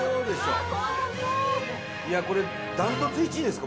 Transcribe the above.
これ断トツ１位ですか？